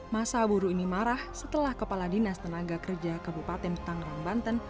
masa buruh ini marah setelah kepala dinas tenaga kerja kabupaten tangerang banten